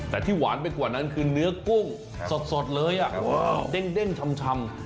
แต่ที่หวานไปกว่านั้นคือเนื้อกุ้งสดเลยเด้งชำ